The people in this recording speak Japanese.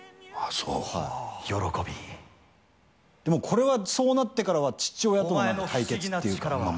そうはいこれはそうなってからは父親との対決っていうかまあ